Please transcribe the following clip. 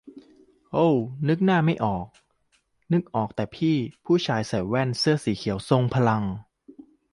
โอ้ นึกหน้าไม่ออก นึกออกแต่พี่ผู้ชายใส่แว่นเสื้อเขียวทรงพลัง